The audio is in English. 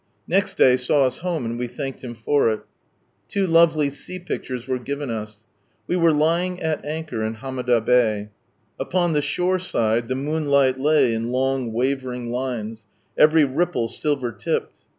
Next day saw us home, and we thanked Him for iL Two lovely sea pictures were given us. We were lying at anchor in Hamada Bay. Upon the shore side, the moon light lay in long wavering lines, every ripple silver tipped.